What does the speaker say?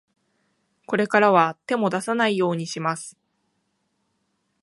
これからは、手も出さないようにします。